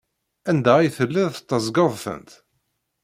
Anda ay telliḍ tetteẓẓgeḍ-tent?